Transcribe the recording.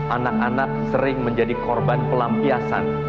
anak anak sering menjadi korban pelampiasan